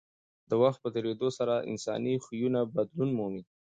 د وخت په تېرېدو سره انساني خویونه بدلون مومي.